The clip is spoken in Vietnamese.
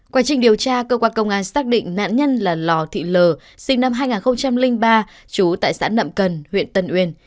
qua trình điều tra cơ quan công an xác định nạn nhân là lò thị lờ sinh năm hai nghìn ba chú tại xã nậm cần huyện tân uyên